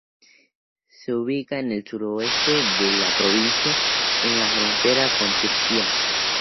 Se ubica en el suroeste de la provincia, en la frontera con Turquía.